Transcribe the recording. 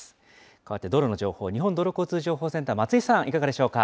変わって道路の情報、日本道路交通情報センター、松井さん、いかがでしょうか。